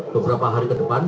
beberapa hari ke depan